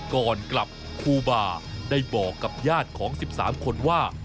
ก่อนกลับครูบาได้บอกกับญาติของ๑๓คนว่า